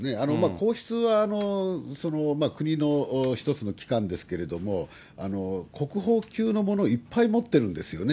皇室は国の一つの機関ですけれども、国宝級のものをいっぱい持ってるんですよね。